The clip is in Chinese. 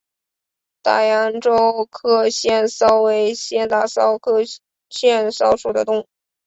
大洋洲壳腺溞为仙达溞科壳腺溞属的动物。